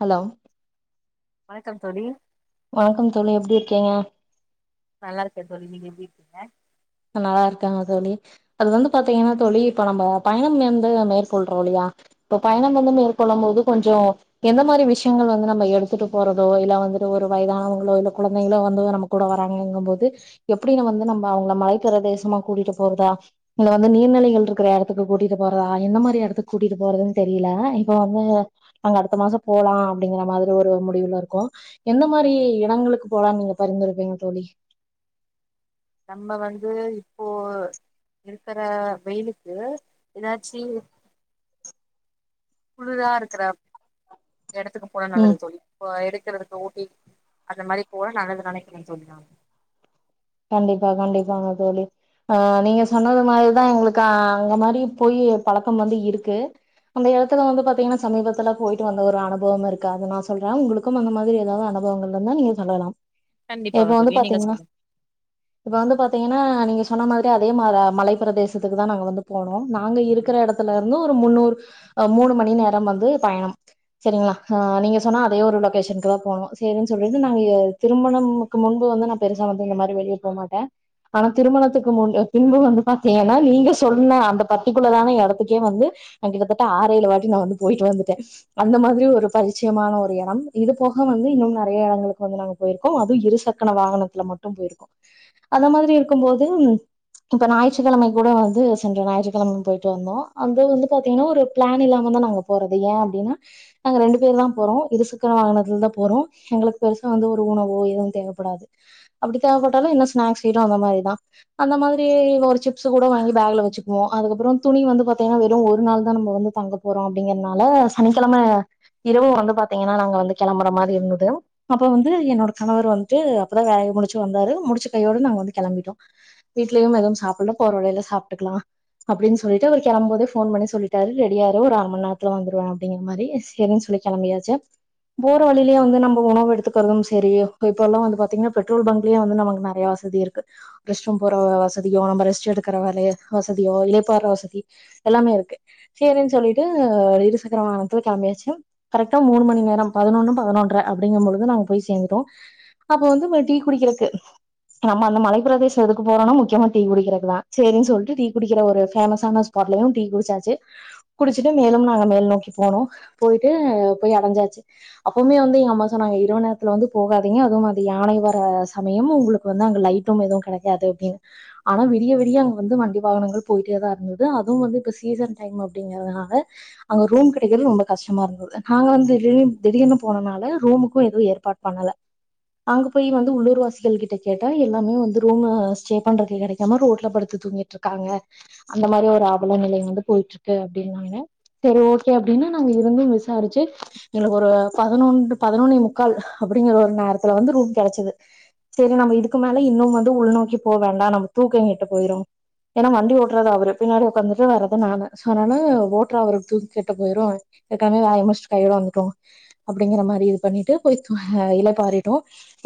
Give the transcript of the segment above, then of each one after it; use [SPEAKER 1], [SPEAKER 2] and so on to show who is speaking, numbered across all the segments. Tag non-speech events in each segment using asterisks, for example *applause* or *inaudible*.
[SPEAKER 1] hello
[SPEAKER 2] வணக்கம் தோலி
[SPEAKER 1] வணக்கம் தோலி எப்டி இருகிங்கா
[SPEAKER 2] நல்லா இருக்கே தோலி நீங்க எப்படி இருகீங்க
[SPEAKER 1] நலா இருக்கா தோலி அது வந்து பாத்தீங்கன்னா தோழி இப்ப நம்ம பயணம் வந்து மேற்கொள்றோம் இல்லையா இப்ப பயணம் வந்து மேற்கொள்ளும் போது கொஞ்ஜோ எந்த மாதிரி விஷயங்கள் வந்து நம்ம எடுத்துட்டு போறதோ இல்ல வந்துட்டு ஒரு வயதானவங்களோ இல்ல குழந்தைங்களோ வந்து நம்ம கூட வராங்கங்கும் போோது எப்படின்னு வந்து நம்ம அவங்களளை மழ இருக்கிற தேசமா கூட்டிட்டு போறதா இது வந்து நீர்நிலைகள் இருக்கிற இடத்துக்கு கூட்டிட்டு போறதா எந்த மாதிரி இடத்துக்கு கூட்டிட்டு போறதுன்னு தெரியல இப்ப வந்து அங்க அடுத்த மாசம் போலாம் அப்படிங்கிற மாதிரி ஒரு முடிவுல இருக்கும் எந்த மாதிரி இடங்களுக்கு போலாம்னு நீங்க பரிந்துரைப்பீங்க தோலி
[SPEAKER 2] நம்ம வந்து இப்போ இருக்கற வெயிலுக்கு ஏதாச்சி புழுதா இருக்குற அப் எடத்துக்கு போன
[SPEAKER 1] ம்
[SPEAKER 2] நல்லது த தோலி இடு சிலதுக்கு ஓட்டி அந்த மாரி போல நல்லது நினைக்கணு சொல்லாங்க
[SPEAKER 1] கண்டிப்பா கண்டிப்பா அ தோலி அஹ் நீங்க சொன்னது மாதிரிதான் எங்களுக்கு அங்க மாதிரி போய் பழக்கம் வந்து இருக்கு அந்த எடத்துல வந்து பாத்தீங்கன்னா சமீபத்துல போயிட்டு வந்த ஒரு அனுபவம் இருக்கு அதை நான் சொல்றேன் உங்களுக்கும் அந்த மாதிரி ஏதாவது அனுபவங்கள்ந்தான் நீங்க சொல்லலாம் எப்போ
[SPEAKER 2] கண்டிப்பாக
[SPEAKER 1] வந்து
[SPEAKER 2] தோழி நீங்க
[SPEAKER 1] பாத்தீங்கன்னா
[SPEAKER 2] சொல்லுங்க
[SPEAKER 1] வாந்து பாத்தீங்கனா நீங்க சொன மாதிரி அதே மா மலைப்ப பிரதேசத்துக்குதா நாங்க வந்து போனோ நாங்க இருக்கிற இடத்துல இருந்து ஒரு முன்னூறு மூணு மணி நேரம் வந்து பயணம் சரிங்களா அஹ நீங்க சொனா அதே ஒரு லொகேஷனுக்குதா போனோ செரின்னு சொல்லிட்டு நாங்க திரமணம்க்கு முன்பு வந்து நா பெருசா ந்தமாதி வெளிய போ மாட்டே ஆனா திருமணத்துக்கு மு பின்பு வந்துபதிங்கன்னா நீங்க சொன்ன அந்த பார்ட்டிக்குலான இடத்துக்கே வந்து கிட்ட ஆறு எளு வாட்டி நபோயிட்டு வந்துட்டே அந்த மாதிரி ஒரு பரிச்சயமான ஒரு இடம் இது போக வந்து இன்னும் நிறைய இடங்களுக்குந்து நா போயிருக்கோ அது இருசக்கன வாகனத்துல மட்டும் போது அந்த மாதிரி இருக்கும் போது இப்ப ஞயிற்றுக்கிழமை கூட வந்து சென்ற ஞாயிற்றுக்கிழமை போயிட்டு வந்தோம் அது வந்து பாத்தீங்கன்னா ஒரு பிளான் இல்லாம தான் நாங்க போறது ஏன் அப்டின்னா நாங்க ரெண்டு பேர்தா போறோ இருசக்கர வங்கனதுல தா போறோ எங்களுக்கு பெருசா வந்து ஒரு உணவோ எதுவும் தேவைப்படாது அப்டி தேவைப்பட்டாலு இன்ன ஸ்நாக்ஸ் நட்டு அந்த மாதிரி தான் அந்த மாதிரியே ஒரு சிப்ஸ் கூட வாங்கி பேக்ல வச்சுக்குவோ அதுக்கப்புறரு துணி வந்து பாரத்திங்கன்னா வெறும் ஒரு நாள் தான் நம்ம வந்து தங்க போறோம் அப்படிங்கறனால சனிக்கிழமை இரவு வந்து பாத்திங்கன்னா நாங்க வந்து கிளம்பற மாதிரி இருந்தது அப்போ வந்து என்னோட கணவர் வந்துட்டு அப்போதா வேலைையை முடிச் முடிசி வந்தரு முடிச்சா கையோடனாங்க வந்து கிளிட்டோ வீட்லேயு எதும் சாப்ல போற வழியில சாட்டுக்கலா அப்டின்னு சொல்லிட்டு அவர் கிளம்போதே போன் பண்ணி சொல்லிட்ரு ரெடியா இரு ஒரு அரமணி நேரத்தல வந்துடுவே அப்பிடிங்கரமாரி சொின் சொல்லி கிம்பியாச்சி போற வலியோ வந்து உணவு எடுத்துகிறதும் செரி இப்ப எல்லாம் வ பாத்திங்கன பெட்ரோல் பங்குலையே நமக்கு வந்து நிறைய வசதி இருக்கு ரஸ்டம் போற வசதியோ நம்ம ரெஸ்ட் எடுக்கிற வ வசதியோ இலப்பற வசதி எல்லாமே இருக்கு செரின்னு சொல்லிட்டு இருசக்கர வாகனத்து கலமியாச்சு கரெக்டா மூணு மணி நேரம் பதினொன்னு பதினொன்ற அப்படிங்கும்பழுது நாங்க போய் சேந்துடோ அப்ப வந்து டி டி குடிகிறதுக்கு நம்ம அந்த மலைப்பிரதேச எதுக்கு போறோனா முக்கியமா டீ குடிக்கிறதுக்குதா சரின்னு சொல்லிட்டு டீ குடிக்கிற ஒரு பேமஸான ஸ்பாட் டீ குடிச்சாச்சு குடிச்சட்டு மேலும் நாங்க மேல் நோக்கி போனோம போயட்டு போய் அடைஞ்சாச்சு அப்பவுமே வந்து எங்க அம்மா சொன்னங்க இரவு நேரத்துல வந்து போகாதீங்க அதுவும் அது யானை வர ங்க சமயம் உங்களுக்கு வந்து அங்க லைட்டும் எவும் கிடைக்காது அப்பின்னு ஆனா விடியவிடியா அங்க வந்து வண்டி வாகனங்கள் போயிட்டேதா இருந்தது அவும் சீசன் டைம் அப்படிங்கனால அங்க ரூம் கிடை ரொம்ப கஷ்டமா இருந்தது நாங்க திடீர்னு போனதுனல ரூமுக்கும் எவும் ஏற்பாடு பண்ணல ங்க போய் வந்து உள்ளூர்வசிகள் கிட்ட கேட்டா எல்லாமே வந்து ரூம் ஸ்டே பண்றது கிடைக்காம ரோட்ல படுத்து தூங்கிட்டு இருக்காங்க அந்த மாதிரி ஒரு அபல நிலை வந்து போயிட்ரு இருக்கு அப்படின்னுாங்க சரி ஓகே அப்படின்னா நாங்க இருந்தும் விசாரிச்சு எங்களுக்கு ஒரு பதினொ பதினொன்னே முக்கால் அப்படிங்கற ஒரு நேரத்துல வந்து ரூ கிடைச்சது செரி நம்ம இதுக்கு மேல இன்னும் வந்து உள்நோக்கி போ வேண்டா நம்ம தூக்க கெட்டு போயிடு ஏன்னா வண்டி ஓட்றது அவரு பின்னாடி உக்காந்துட்டு வரது நானு சோ அதனால ஓட்ற அவருக்கு தூக்க கெட்டு போயிரு *unintelligible* அப்டிங்கிற மாரி இது பண்ணிட்டு போய் *unintelligible* இல பாறிட்டோ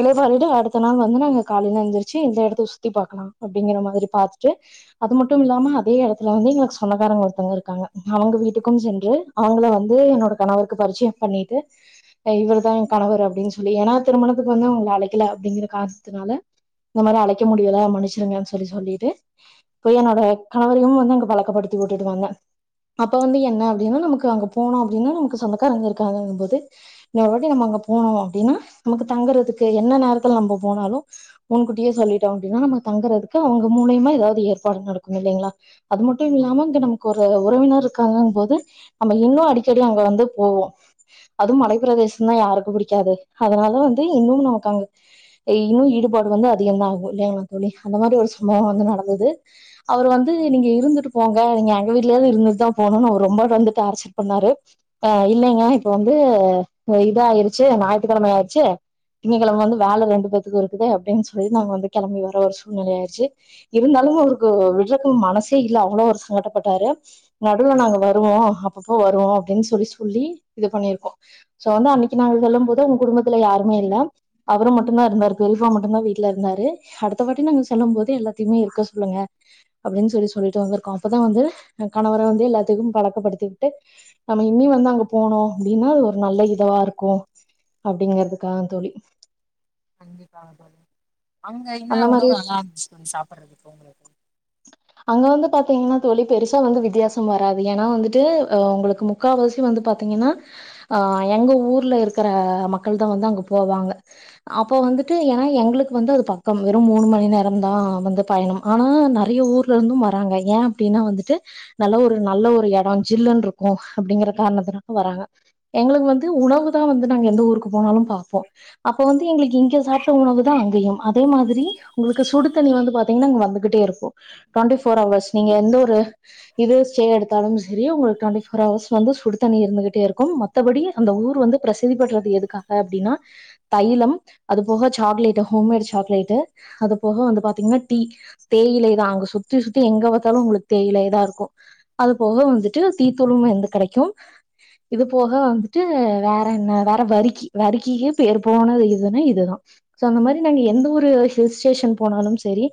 [SPEAKER 1] இல பாறிட்டு அடுத்த நாள் வந்து நாங்க காலையில எழுந்திருச்சி இந்த இடத்த சுத்தி பாக்கலா அப்டிங்கிற மாரி பாத்துட்டு அது மட்டும் இல்லாம அதே இடத்துல வந்து எனக்கு சொந்தக்காரங்க ஒருத்தவங்க இருக்காங்க அவங்க வீட்டுக்கும் சென்று அவுங்கள வந்து என்னோட கணவருக்கு பரிச்சயம் பண்ணிட்டு இவர் தா என் கணவர் அப்டின்னு சொல்லி ஏன்னா திருமணதுக்கு வந்து உங்கள அலைக்கல அப்டிங்கிற காரணத்தினால இந்த மாரி அலைக்க முடியல மன்னிச்சுருங்கன்னு சொல்லி சொல்லிட்டு போய் என்னோட கணவரையு வந்து அங்க பலக்கப்படுத்தி உட்டுட்டு வந்தே அப்ப வந்து என்ன அப்டின்னா நமக்கு அங்க போனோ அப்டின்னா நமக்கு சொந்தகாரங்க இருக்காங்கன்னு போது இன்னொரு வாட்டி நம்ம அங்க போனோ அப்டின்னா நமக்கு தங்குறதுக்கு என்ன நேரத்தல நம்ம போனாலு முன்கூட்டியே சொல்லிட்டோ அப்டின்னா நம்ம தங்குறதுக்கு அவுங்க மூலியமா ஏதாவது ஏற்பாடு நடக்கும் இல்லைங்களா அது மட்டும் இல்லாம இது நமக்கு ஒரு உறவினரு காங்க போது நம்ம இன்னு அடிக்கடி அங்க வந்து போவோ அதுவும் மலைப்பிரதேசன்ன யாருக்கு பிடிக்காது அதனால வந்து இன்னும் நமக்காக இன்னு ஈடுபாடு வந்து அதிகதா ஆகு இல்லையங்களா தோலி அந்த மாரி ஒரு சம்பவம்
[SPEAKER 2] கண்டிப்பாக
[SPEAKER 1] வந்து
[SPEAKER 2] தோழி
[SPEAKER 1] நடந்தது அவர் வந் து நீங்க இருந்துட்டு போங்க நீங்க அங்க வீட்டுலயாவது இருந்துட்டு தா போனுன்னு அவ ரொம்ப வந்து டார்ச்பண்ணாரு ஆஹ இல்லைங்க இப்ப வந்து இதாயிருச்சி ஞாயிற்றுக்கிழமை ஆயிருச்சி திங்ககிலம வந்து வேல ரெண்டு பேத்துக்கு இருக்குது அப்டின்னு சொல்லி நாங்க வந்து கிளம்பி வர ஒரு சூழ்நிலை ஆயிச்சி இருந்தாலு அவருக்கு விட்றக்கு மனசே இல்ல அவ்ளோ ஒரு சங்கட்டப்பட்டாரு நடுல நாங்க வருவோ அப்பப்போ வருவோ அப்டின்னு சொல்லி சொல்லி இது பண்ணிருக்கோ சோ வந்து அன்னிக்கு நாங்க சொல்லும் போது உங்க குடும்பத்துல யாரு இல்ல அவரு மட்டுந்தா இருந்தாரு பெரியப்பா மட்டுந்தா வீட்ல இருந்தாரு அடுத்த வாட்டி நாங்க செல்லும் போது எல்லாத்துமே இருக்க சொல்லுங்க அப்டின்னு சொல்லி சொல்லிட்டு வந்திருக்கோ அப்பதா வந்து கணவரை வந்து எல்லாத்தக்கு பலக்கப்படுத்திக்கிட்டு நம்ம இனி வந்து அங்க போனோ அப்டின்ன நல்ல இதுவா இருக்கு அப்டிங்கிறது கா தோலி
[SPEAKER 2] கண்டிப்பா தோலி அங்க என்ன
[SPEAKER 1] அந்த மாதிரி
[SPEAKER 2] உணவு எல்லா இருந்துச்சி தோலி சாப்பிட்றதுக்கு உங்களுக்கு
[SPEAKER 1] அங்க வந்து பாத்திங்கன்னா தோலி பெருசா வந்து வித்தியாச வராது ஏனா வந்துட்டு ஹ உங்களுக்கு முக்காவாசி வந்து பாத்திங்கனா அஹ எங்க ஊர்ல இருக்கிற மக்கள் தோ வந்தா அங்க போவாங்க அப்ப வந்துட்டு ஏனா எங்களுக்கு வந்து அது பக்கம் வெறும் மூணு மணி நேரந்தா வந்து பயணம் ஆனா நெறைய ஊர்ல இருந்தும் வராங்க ஏன் அப்டின்னா வந்துட்டு நல்ல ஒரு நல்ல ஒரு எடம் ஜில்லுன்ருக்கோ அப்டிங்கிற காரணத்தினால வராங்க எங்களுக்கு வந்து உணவு தா வந்து நாங்க எந்த ஊருக்கு போனாலு பாப்போ அப்பவந்து எங்கிலிக்கு இங்க சாப்ட உணவு தா அங்கயும் அதே மாதிரி உங்களுக்கு சுடுத்தண்ணி வந்து பாத்தீங்கனா வந்துகிட்டே இருக்கோ ட்டுவெண்டிஃபோர் ஹவர்ஸ் நீங்க எந்த ஒரு இதுஸ் சே எடுத்தாலு செரி உங்களுக்கு அந்த ஃபர் அவர்ஸ் வந்து சுடு தண்ணி இருந்துகிட்டே இருக்கும் மத்தபடி அந்த ஊர் வந்து பிரசித்தி பெற்றது எதுக்கா அப்டின்னா தைலம் அது போக சாக்லேடு ஹோம்மேட் சாக்லேட்டு அது போக வந்து பாத்திங்கன்னா டீ தேயிலதா அங்க சுத்தி சுத்தி எங்க பாத்தாலு உங்களுக்கு தேயிலதா இருக்கு அது போக வந்துட்டு டீத்தூளும் எந்து கெடைக்கும் இது போக வந்துட்டு வேற என்ன வேற வரிக்கி வரிகிக்கு பேர் போன எலுதுன இதுதா சோ அந்த மாரி நாங்க எந்த ஒரு ஹில் ஸ்டேஷன் போனாலும் செரி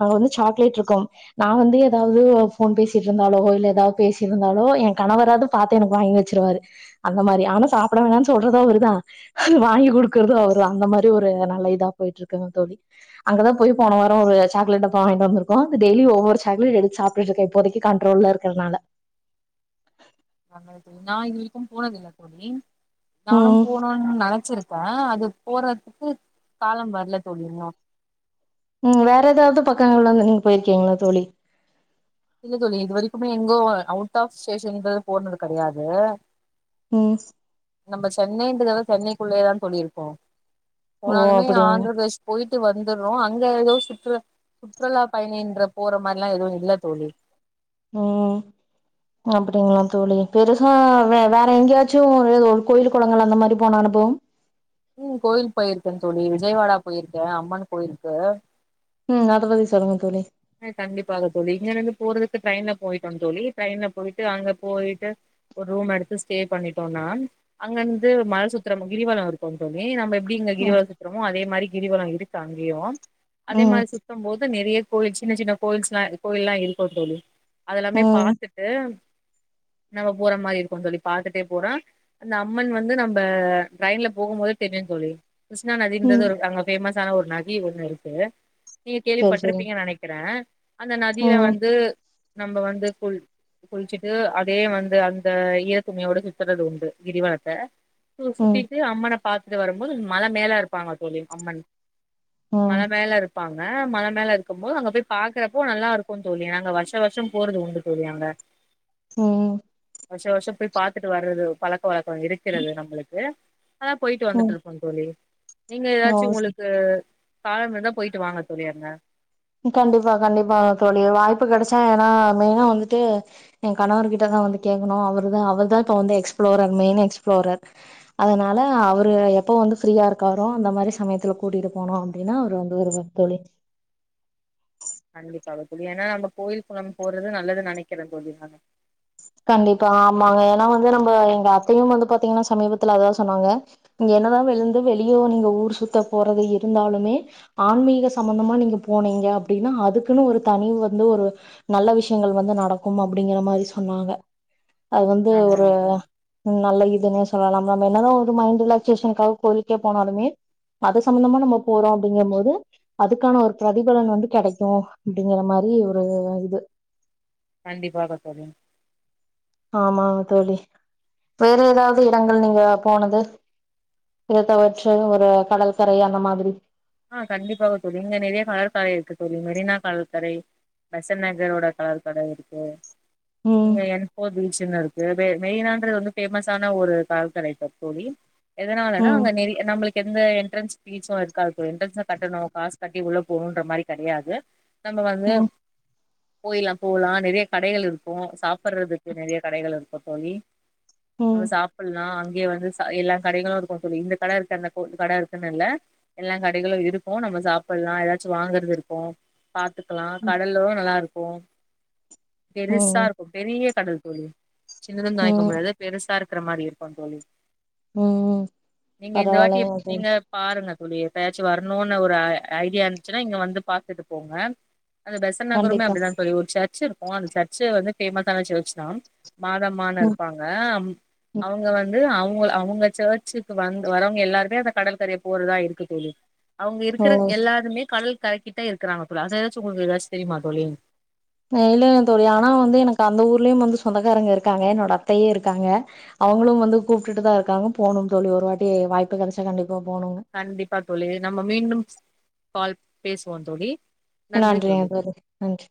[SPEAKER 1] அங்க வந்து சாக்லேட் இருக்கோம் நா வந்து ஏதாவது போன் பேசிட்டு இருந்தாலோ இல்ல ஏதாவது பேசி இருந்தாலோ என் கணவராது பாத்து எனக்கு வாங்கி வச்சிருவாரு அந்த மாரி ஆனா சாப்பிட வேணான்னு சொல்றதோ இவருதா அது வாங்கி குடுக்குறது அவருதா அந்த மாரி ஒரு நல்ல இதா போயிட்ருக்குங்க தோலி அங்கதா போய் போன வார ஒரு சாக்லேட் டப்பா வாய்கிட்டு வந்திருக்கோ அந்த டெய்லி ஒவ்வொரு சாக்லேட் எடுத்து சாப்பிட்டு இருக்கே இப்போதைக்கி கண்ட்ரோல்ல இருக்கிறதுனால
[SPEAKER 2] நாங்க இது நா இது வரைக்கு போனதில்ல தோலி நானும்
[SPEAKER 1] ம்
[SPEAKER 2] போனுன் நெனச்சிருக் க அது போறதுக்கு காலம் வரல தோலி இன்னு
[SPEAKER 1] உம் வேற ஏதாவது பக்கங்கள்ல வந்து நீங்க போயிருக்கீங்களா தோலி
[SPEAKER 2] இல்ல தோலி இது வரைக்குமே எங்கோ அவுட் ஆஃப் ஸ்டேஷன்றது போனது கெடையாது
[SPEAKER 1] ம்
[SPEAKER 2] நம்ம சென்னைன்றதால சென்னைக்குள்ளயான் தோலி இருக்கோ
[SPEAKER 1] ஓ
[SPEAKER 2] போனாலுமே
[SPEAKER 1] அப்டிங்க
[SPEAKER 2] ஆந்திர பிரதேஷ் போயிட் டு வந்துற்றோ அங்க ஏதோ சுற்று சுற்றுலா பயணின்ற போற மாரில எதுவு இல்ல தோலி
[SPEAKER 1] உம் அப்டிங்களா தோலி பெருசா வே வேற எங்கேயாச்சு கோயில் குளங்கள் அந்த மாரி போனா அனுபவம்
[SPEAKER 2] உம் கோயில் போயிருக்கே தோலி விஜயவாடா போயிருக்கே அம்மன் கோயிலுக்கு
[SPEAKER 1] உம் அத பத்தி சொல்லுங்க தோலி
[SPEAKER 2] ஹ் கண்டிப்பாக தோலி இங்க இருந்து போறதுக்கு ட்ரெயின்ல போயிட்டோ தோலி ட்ரெயின்ல போயிட்டு அங்க போயிட்டு ஒரு ரூம் எடுத்து ஸ்டே பண்ணிட்டோம்னா அங்க இருந்து மலை சுத்திரம் கிரிவலம் இருக்கும் தோலி நம்ம எப்டி இங்க
[SPEAKER 1] ம்
[SPEAKER 2] கிரவல சுத்திரமோ அதே இதுமாரி கிரிவல இருக்கு அங்கேயு அதே
[SPEAKER 1] ம்
[SPEAKER 2] மாரி சுத்தும் போது நெறைய கோயில்ஸ் சின்ன சின்ன கோயில்ஸ் எல்லா கோயில் எல்லா இருக்கோ தோலி அதெல்லாமே
[SPEAKER 1] ம்
[SPEAKER 2] பாத்துட்டு நம்ம போற மாரி இருக்கு தோலி பாத்துட்டே போறா அந்த அம்மன் வந்து நம்ம ட்ரெயின்ல போகும் போது தெரியு தோலி கிருஷ்ணா நதின்றது
[SPEAKER 1] ம்
[SPEAKER 2] ஒரு அங்க பேமஸ் கான ஒரு நதி ஒண்ணு இருக்கு நீங்க
[SPEAKER 1] சரி
[SPEAKER 2] கேள்விப்பட்டுருப்
[SPEAKER 1] சரி
[SPEAKER 2] நெனக்கிறேன் அந்த நதியில
[SPEAKER 1] ம்
[SPEAKER 2] வந்து நம்ம வந்து குள் குளிச்சுட்டு அதே வந்து அந்த ஈரத்துணியோட சுத்துறதுண்டு கிரிவலத்த
[SPEAKER 1] ம்
[SPEAKER 2] சுத்திட்டு அம்மன பாத்துட்டு வரும்போது மழ மேல இருப்பாங்க தோழி அம்மன்
[SPEAKER 1] ம்
[SPEAKER 2] மழ
[SPEAKER 1] ம்
[SPEAKER 2] மேல இருப்பாங்க அ மழ மேல இருக்கு இருக்கும் போது அங்க போய் பாக்குறப்போ நல்லா இருக்கும் தோழி நாங்க வருஷ வருஷம் போறது உண்டு தோழியங்க
[SPEAKER 1] ஹம்
[SPEAKER 2] வருஷ வருஷம் போய் பாத்துட்டு வர்றது பழக் பழக்கம் இருக்கிறது நம்மளுக்கு அதான் போயிட்டு வந்துட்டு
[SPEAKER 1] ம்
[SPEAKER 2] இருப்போம் தோழி நீங்க ஏதாச்சும்
[SPEAKER 1] ஓ
[SPEAKER 2] உங்களுக்கு கால மர தான் போயிட்டு வாங்க சொரியாங்க
[SPEAKER 1] கண்டிப்பா கண்டிப்பா தோழி வாய்ப்பு கெடச்சா ஏன்னா மெயினா வந்துட்டு என் கணவ கிட்டதான் வந்து கேட்கணும் அவருதான் அவர் தான் இப்ப வந்து எக்ஸ்பிளோரர் மெயின் எக்ஸ்பிளோரர் அதனால அவரு எப்ப வந்து ஃப்ரீயா இருக்காரோ அந்த மாரி சமயத்துல கூட்டிட்டு போனும் அப்டின்னா அவரு வந்து ஒரு தோழி
[SPEAKER 2] கண்டிப்பா புரிய ஏன்னா நம்ம கோயில் குளம் போறது நல்லது நெனக்கிறேன் போல்ல நான்
[SPEAKER 1] கண்டிப்பா ஆமாங்க ஏன்னா வந்து நம்ம எங்க அத்தயும் வந்து பாத்தீங்கன்னா சமீபத்துல அதுதான் சொன்னாங்க இங்க என்னதான் விழுந்து வெளிய நீங்க ஊர் சுத்த போறது இருந்தாலுமே ஆன்மீக சம்பந்தமா நீங்க போனீங்க அப்டின்னா அதுக்குன்னு ஒரு தனிவு வந்து ஒரு நல்ல விஷயங்கள் வந்து நடக்கும் அப்டிங்கிற மாரி சொன்னாங்க *inaudible* அது வந்து ஒரு
[SPEAKER 2] ஆமாங்க தோழி
[SPEAKER 1] நல்ல இதுன்னே சொல்லலாம் நம்ம என்னதான் ஒரு மைண்ட் ரிலாக்சேஷனுக்காக கோயிலுக்கே போனாலுமே அது சம்பந்தமா நம்ம போறோம் அப்டிங்கும் போது அதுக்கான ஒரு பிரதிபலன் வந்து கெடைக்கும் அப்டிங்கிற மாரி ஒரு இது
[SPEAKER 2] கண்டிப்பாக தோழி
[SPEAKER 1] ஆமா தோழி வேற ஏதாது இடங்கள் நீங்க போனது இருத்தவற்று ஒரு கடல்கரை அந்த மாரி
[SPEAKER 2] ஆஹ் கண்டிப்பாக தோழி இங்க நெறய கலற்கரை இருக்கு தோழி மெரினா கடற்கரை பெசன்ட் நகரோட கலற்கரை இருக்கு
[SPEAKER 1] ம்
[SPEAKER 2] இங்க என் போ பீச் சின்ன இருக்கு மெயினானது வந்து பேமஸ்சான ஒரு கடற்கரை தோழி எதனாலனா
[SPEAKER 1] ம்
[SPEAKER 2] அங்க நெற நம்மளுக்கு எந்த எண்ட்ரன்ஸ் பீச்சும் இருக்காது எண்ட்ரன்ஸ் கட்டணும் காஸ் கட்டி உள்ள போன்ற மாரி கெடையாது நம்ம வந்து
[SPEAKER 1] ம்
[SPEAKER 2] போயிலாம் போலாம் நெறய கடைகள் இருக்கும் சாப்படுறதுக்கு நெறய கடைகள் இருக்கும் தோழி நம்ம
[SPEAKER 1] ம்
[SPEAKER 2] சாப்டலாம் இங்கே வந்து எல்லா கடைகளும் இருக்கும் தோழி இந்த கட இருக்கு அந்த கட இருக்குன்னு இல்ல எல்லாம் கடைகளும் இருக்கும் நம்ம சாப்டலாம் ஏதாச்சும் வாங்கறது இருக்கும் பாத்துக்கலாம் கடல்லும் நல்லா இருக்கும் போம் பெரிசா
[SPEAKER 1] ம்
[SPEAKER 2] இருக்கும் பெரிய கடல் போலயே சின்னத துவைக்க
[SPEAKER 1] ம்
[SPEAKER 2] முடியாது பெருசா இருக் இருக்கர மாரி இருக்கும் தோழி
[SPEAKER 1] உம்
[SPEAKER 2] நீங்க இந்த வாட்டி
[SPEAKER 1] பரவாயில்லயா அது
[SPEAKER 2] நீங்க பாருங்க தோழி எப்பயாச்சும் வரணும்னு ஒரு ஐடியா இருந்துச்சுன்னா இங்க வந்து பாத்துட்டு போங்க அந்த பெசன் நகருமே
[SPEAKER 1] கண்டிப்பா
[SPEAKER 2] அப்டிதான் தோழி ஒரு சேர் ர்ச் இருக்கும் அந்த சர்ச் வந்து ஃபேமஸ்சான சர்ச்தா மாதம்மான
[SPEAKER 1] ம்
[SPEAKER 2] இருப்பாங்க அவங்க வந்து அவங் அவங்க சர்ச்சுக்கு வந்து வரவங்க எல்லாருமே அந்த கடற்கரையை போறதா இருக் *unintelligible* தோழி அவங்க
[SPEAKER 1] ஓ
[SPEAKER 2] இருக்க எல்லாருமே கடல் கரைக்கிட்டா இருக்கிறாங்க கூட அதாச்சி ஏதாச்சும் உங்களுக்கு தெரியுமா தோழி
[SPEAKER 1] *unintelligible* தோழி ஆனா வந்து எனக்கு அந்த ஊர்லயும் வந்து சொந்தக்காரங்க இருக்காங்க என்னோட அத்தையே இருக்காங்க அவங்களும் வந்து கூப்பிட்டு தான் இருக்காங்க போணும் தோழி ஒரு வாட்டி வாய்ப்பு கிடச்சா கண்டிப்பா போணுங்க
[SPEAKER 2] கண்டிப்பா தோழி நம்ம மீண்டும் கால் பேசுவோம் தோழி
[SPEAKER 1] நன்றி ஆங் தோழி நன்றி